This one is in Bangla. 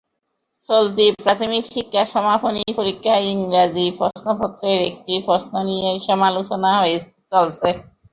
চলতি প্রাথমিক শিক্ষা সমাপনী পরীক্ষার ইংরেজি প্রশ্নপত্রের একটি প্রশ্ন নিয়ে সমালোচনা চলছে।